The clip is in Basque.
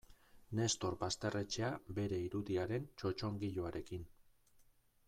Nestor Basterretxea bere irudiaren txotxongiloarekin.